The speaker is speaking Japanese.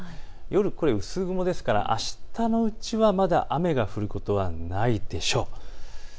夜、これは薄雲ですからあしたのうちはまだ雨が降ることはないでしょう。